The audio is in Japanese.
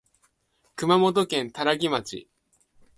熊本県多良木町